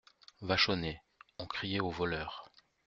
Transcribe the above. Vachonnet On criait au voleur !